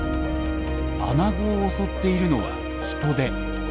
アナゴを襲っているのはヒトデ。